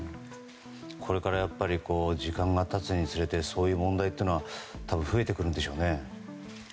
これから時間が経つにつれてそういう問題というのは多分、増えてくるんでしょうね。